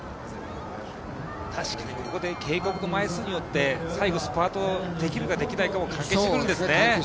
確かにここで警告の枚数によって最後スパートできるかできないかも関係してくるんですね。